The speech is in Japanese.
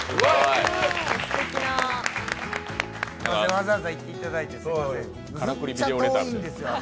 わざわざ行っていただいてすいません。